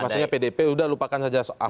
jadi maksudnya pdp sudah lupakan saja ahok ini